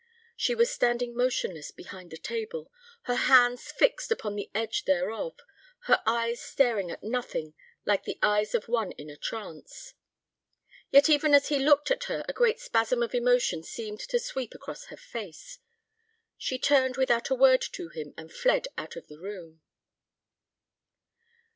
She was standing motionless behind the table, her hands fixed upon the edge thereof, her eyes staring at nothing like the eyes of one in a trance. Yet even as he looked at her a great spasm of emotion seemed to sweep across her face. She turned without a word to him and fled out of the room.